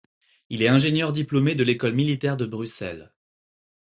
Il est ingénieur diplômé de l’école militaire de Bruxelles.